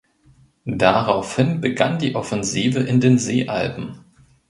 Daraufhin begann die Offensive in den Seealpen.